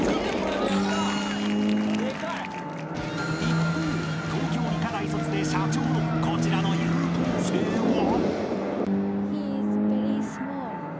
［一方東京理科大卒で社長のこちらの優等生は］